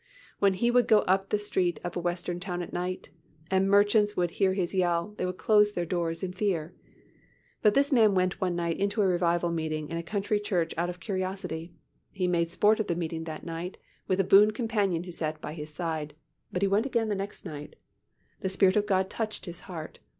When he would go up the street of a Western town at night, and merchants would hear his yell, they would close their doors in fear. But this man went one night into a revival meeting in a country church out of curiosity. He made sport of the meeting that night with a boon companion who sat by his side, but he went again the next night. The Spirit of God touched his heart.